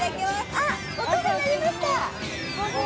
あっ、音が鳴りました。